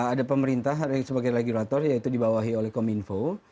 ada pemerintah sebagai regulator yaitu dibawahi oleh kominfo